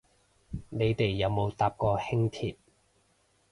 你哋有冇搭過輕鐵